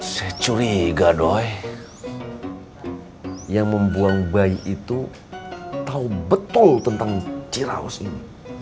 saya curiga doi yang membuang bayi itu tahu betul tentang ciraus ini